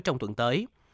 trong tuần tới